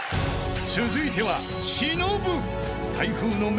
［続いては］